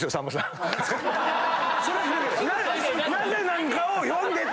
なぜなのかを読んでって。